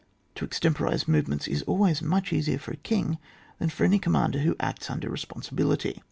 To extemporise movements is always much easier for a king than for any commander who acts under res ponsibility.